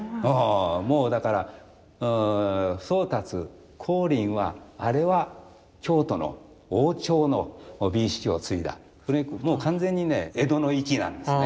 もうだから宗達光琳はあれは京都の王朝の美意識を継いだもう完全にね江戸の粋なんですね。